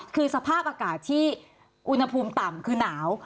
คือสภาพอากาศที่อุณหภูมิต่ำคือหนาว